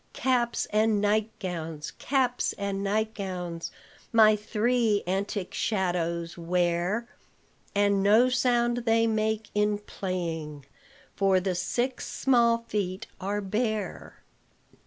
Caps and nightgowns, caps and nightgowns, My three antic shadows wear; And no sound they make in playing, For the six small feet are bare.